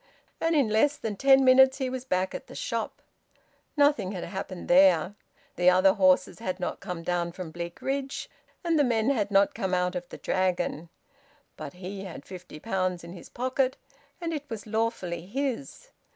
And in less than ten minutes he was back at the shop. Nothing had happened there. The other horses had not come down from Bleakridge, and the men had not come out of the Dragon. But he had fifty pounds in his pocket, and it was lawfully his.